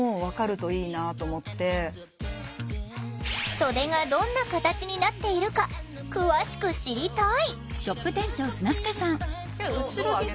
袖がどんな形になっているか詳しく知りたい！